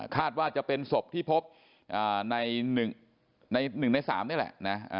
ว่าจะเป็นศพที่พบใน๑ใน๓นี่แหละนะ